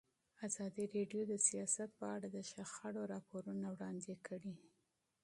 ازادي راډیو د سیاست په اړه د شخړو راپورونه وړاندې کړي.